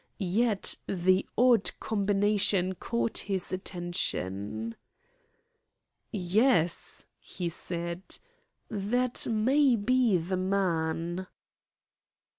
Yet the odd combination caught his attention. "Yes," he said, "that may be the man."